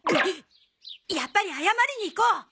やっぱり謝りに行こう！